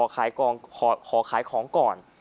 ขอขายของก่อน